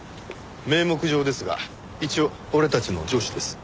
名目上ですが一応俺たちの上司です。